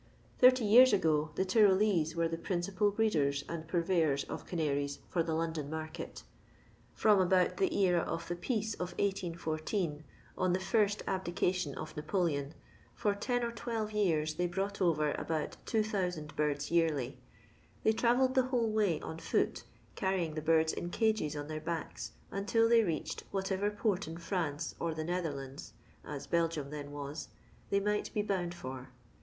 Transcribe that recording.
Thirty years ago, the. Tyrolesc were the principal breeders and purveyors of canaries for the London market. From about the era of the peace of 1814, on the first abdication of Napoleon, for ten or twelve years they brought over about 2000 birds yearly. They travelled the whole way on foot, carrying the birds in cages on their backs, until they reached whatever port in France or the Nether lands (as Belgium then was) they might be bound for.